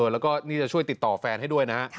แล้วก็นี่จะช่วยติดต่อแฟนให้ด้วยนะ